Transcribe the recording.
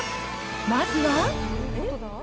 まずは。